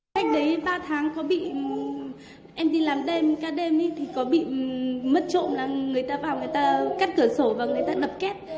cách đấy ba tháng có bị em đi làm đêm ca đêm thì có bị mất trộm là người ta vào người ta cắt cửa sổ và người ta tập kết